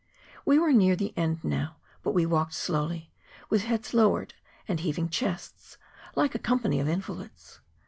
We were near the end now, but we walked slowly, with heads lowered and heaving chests, like a com¬ pany of invalids.